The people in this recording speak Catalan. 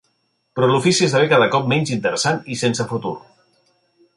Però l'ofici esdevé cada cop menys interessant i sense futur.